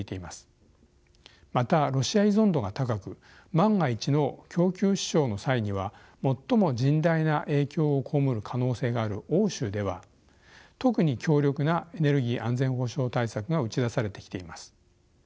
またロシア依存度が高く万が一の供給支障の際には最も甚大な影響を被る可能性がある欧州では特に強力なエネルギー安全保障対策が打ち出されてきています。